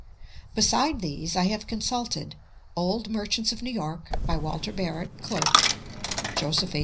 Beside these, I have consulted : Old Merchants of New York, by Walter Barrett, Clerk; (Joseph A.